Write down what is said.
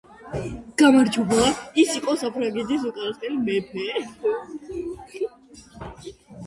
ის იყო საფრანგეთის უკანასკნელი მეფე.